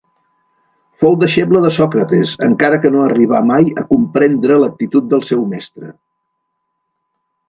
Fou deixeble de Sòcrates, encara que no arribà mai a comprendre l'actitud del seu mestre.